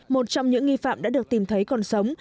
một trong những nghi phạm đã được tìm thấy còn sống